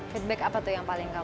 feedback apa tuh yang paling kamu